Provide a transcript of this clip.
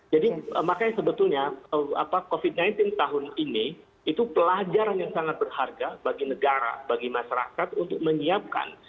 jadi makanya sebetulnya covid sembilan belas tahun ini itu pelajaran yang sangat berharga bagi negara bagi masyarakat untuk menyiapkan